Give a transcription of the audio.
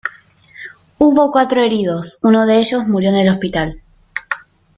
Hubo cuatro heridos, uno de ellos murió en el hospital.